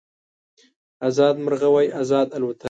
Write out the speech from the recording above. ازاد مرغه وای ازاد الوتای